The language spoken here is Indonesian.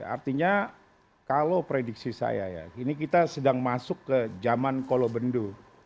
artinya kalau prediksi saya ya ini kita sedang masuk ke zaman kolobendu